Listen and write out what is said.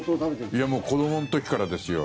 いやもう子どもの時からですよ。